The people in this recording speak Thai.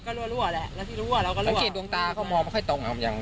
ก็รั่วและที่รั่วเราก็รั่วตังคลีดดวงตาเขามองไม่ค่อยตรง